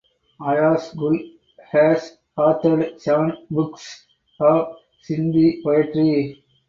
Ayaz Gul has authored seven books of Sindhi poetry.